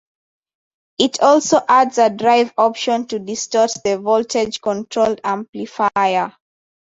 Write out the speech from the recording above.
It also adds a drive option to distort the voltage-controlled amplifier.